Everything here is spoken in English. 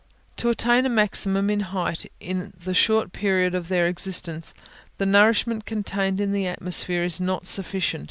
To attain a maximum in height in the short period of their existence, the nourishment contained in the atmosphere is not sufficient.